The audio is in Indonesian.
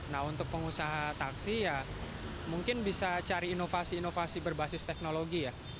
nah untuk pengusaha taksi ya mungkin bisa cari inovasi inovasi berbasis teknologi ya